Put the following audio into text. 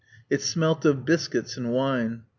It smelt of biscuits and wine.